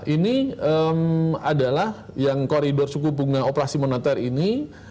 ini adalah yang koridor suku bunga operasi moneter ini